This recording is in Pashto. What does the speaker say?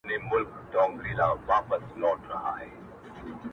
له هوا به پر هوسۍ حمله کومه!!